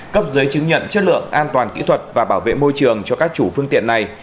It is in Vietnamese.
cấp giấy chứng nhận chất lượng an toàn kỹ thuật và bảo vệ môi trường cho các chủ phương tiện này